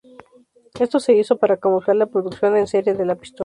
Esto se hizo para camuflar la producción en serie de la pistola.